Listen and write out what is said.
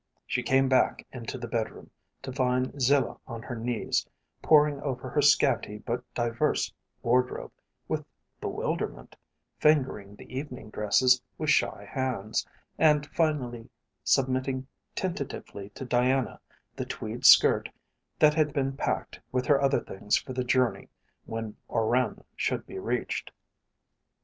She came back into the bedroom to find Zilah on her knees poring over her scanty but diverse wardrobe with bewilderment, fingering the evening dresses with shy hands, and finally submitting tentatively to Diana the tweed skirt that had been packed with her other things for the journey when Oran should be reached.